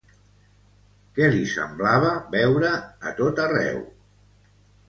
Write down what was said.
Què li semblava veure a tot arreu?